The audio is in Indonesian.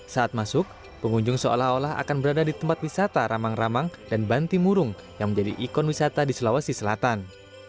saat masuk pengunjung seolah olah akan berada di tempat wisata ramang ramang dan bantimurung yang menjadi ikon wisata di sulawesi selatan